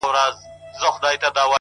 سپوږمۍ ترې وشرمېږي او الماس اړوي سترگي!!